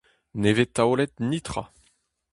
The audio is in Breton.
Ne vez taolet netra !